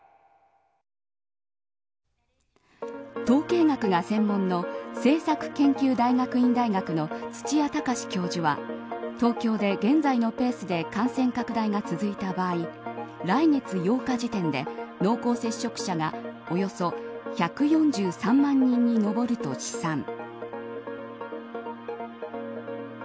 統計学が専門の政策研究大学院大学の土谷隆教授は東京で現在のペースで感染拡大が続いた場合来月８日時点で濃厚接触者が、およそ１４３万人に上ると試算。